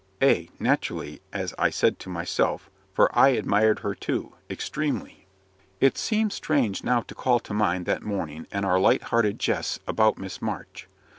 Ay, naturally, as I said to myself, for I admired her too, extremely. It seems strange now to call to mind that morning, and our light hearted jests about Miss March.